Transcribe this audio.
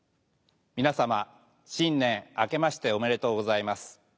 皆様新年あけましておめでとうございます。